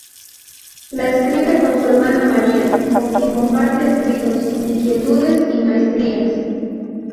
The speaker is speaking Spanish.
La escribe con su hermana Maria, con quien comparte escritos, inquietudes y maestrías.